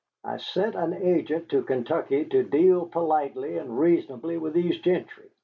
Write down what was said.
I sent an agent to Kentucky to deal politely and reasonably with these gentry.